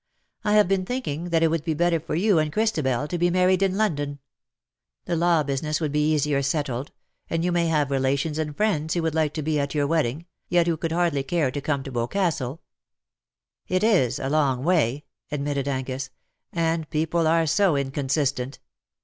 I have been thinking that it would be better for you and Christabel to be married in London. The law business would be easier settled — and you may have relations and friends who would like to be at your wedding, yet who would hardly care to come to Boscastle.''^ ''^It is a long way," admitted Angus. "And people are so inconsistent.